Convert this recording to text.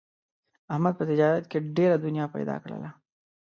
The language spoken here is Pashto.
احمد په تجارت کې ډېره دنیا پیدا کړله.